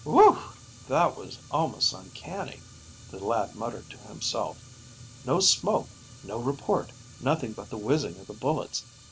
"Whew! That was almost uncanny," the lad muttered to himself. "No smoke, no report, nothing but the whizzing of the bullets.